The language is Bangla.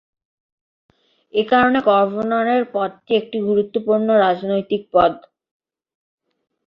একারণে গভর্নরের পদটি একটি গুরুত্বপূর্ণ রাজনৈতিক পদ।